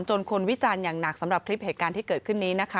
คนวิจารณ์อย่างหนักสำหรับคลิปเหตุการณ์ที่เกิดขึ้นนี้นะคะ